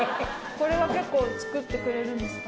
これは結構作ってくれるんですか